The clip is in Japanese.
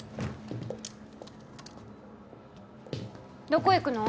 どこ行くの？